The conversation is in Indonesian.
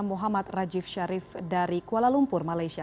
muhammad rajif sharif dari kuala lumpur malaysia